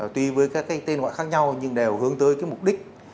tuy với các tên ngoại khác nhau nhưng đều hướng tới mục đích